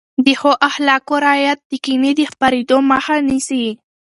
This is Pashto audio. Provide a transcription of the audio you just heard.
د ښو اخلاقو رعایت د کینې د خپرېدو مخه نیسي.